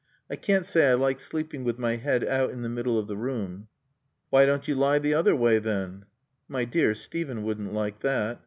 I can't say I like sleeping with my head out in the middle of the room." "Why don't you lie the other way then?" "My dear, Steven wouldn't like that.